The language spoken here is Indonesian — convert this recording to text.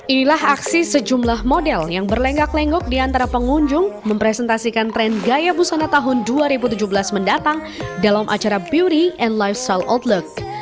inilah aksi sejumlah model yang berlenggak lenggok di antara pengunjung mempresentasikan tren gaya busana tahun dua ribu tujuh belas mendatang dalam acara beauty and lifestyle outlook